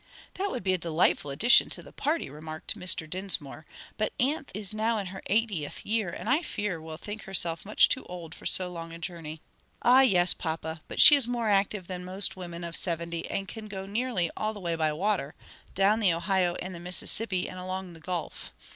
"That would be a delightful addition to the party," remarked Mr. Dinsmore; "but aunt is now in her eightieth year, and I fear will think herself much too old for so long a journey." "Ah, yes, papa, but she is more active than most women of seventy and can go nearly all the way by water; down the Ohio and the Mississippi and along the Gulf.